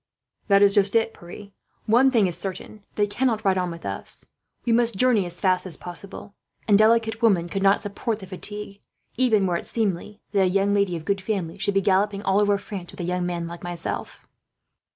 "That is just it, Pierre. One thing is certain they cannot ride on with us. We must journey as fast as possible, and delicate women could not support the fatigue; even were it seemly that a young lady, of good family, should be galloping all over France with a young man like myself."